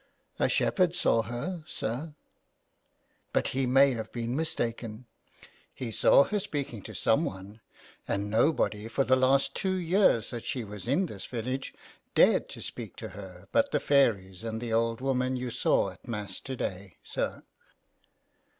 '' A shepherd saw her, sir." " But he may have been mistaken." *' He saw her speaking to some one, and nobody for the last two years that she was in this village dared to speak to her but the fairies and the old woman you saw at Mass to day, sir."